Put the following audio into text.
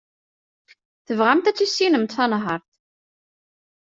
Tebɣamt ad tissinemt tanhaṛt.